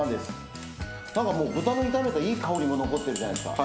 豚を炒めたいい香りが残ってるじゃないですか。